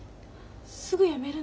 すぐ辞めるの？